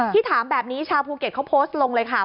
ถามแบบนี้ชาวภูเก็ตเขาโพสต์ลงเลยค่ะ